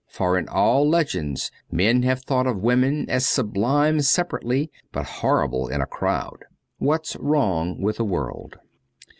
For in all legends men have thought of women as sub lime separately, but horrible in a crowd. ' What's Wrong with the World.'